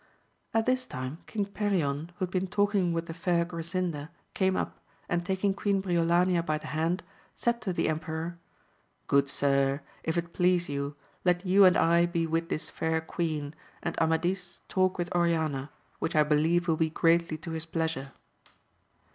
At this time King Perion, who luid been talking with the fair Grasinda, came up, and taking Queen Briolania by the hand, said to the emperor, Good sir, if it please you, let you and I be with this fair queen, and Amadis talk with Oriana, which I beheve wiU be greatly to his pleasure.